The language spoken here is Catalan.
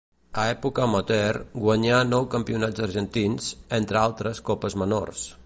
A època amateur guanyà nou campionats argentins, entre altres copes menors.